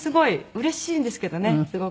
うれしいんですけどねすごく。